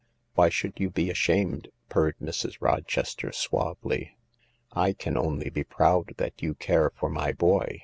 " Why should you be ashamed ?" purred Mrs. Rochester suavely. " J can only be proud that you care for my boy.